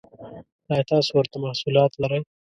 ایا تاسو ورته محصولات لرئ؟